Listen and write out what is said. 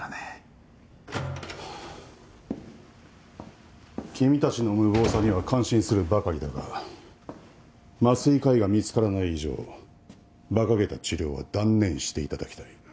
・君たちの無謀さには感心するばかりだが麻酔科医が見つからない以上ばかげた治療は断念していただきたい。